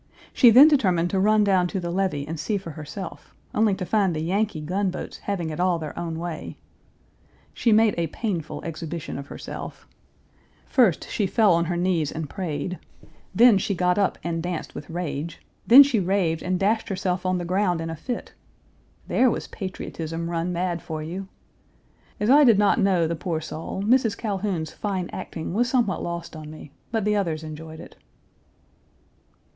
She then determined to run down to the levee and see for herself, only to find the Yankee gunboats having it all their own way. She made a painful exhibition of herself. First. she fell on her knees and prayed; then 1. General Forrest made his raid on Memphis in August of this year. Page 324 she got up and danced with rage; then she raved and dashed herself on the ground in a fit. There was patriotism run mad for you! As I did not know the poor soul, Mrs. Calhoun's fine acting was somewhat lost on me, but the others enjoyed it.